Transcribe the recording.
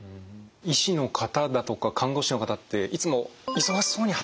医師の方だとか看護師の方っていつも忙しそうに働かれてるじゃないですか。